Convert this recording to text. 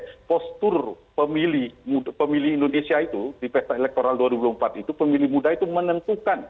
karena postur pemilih indonesia itu di pesta elektoral dua ribu empat itu pemilih muda itu menentukan